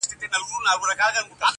چوروندک سو، پاچهي سوه، فرمانونه!!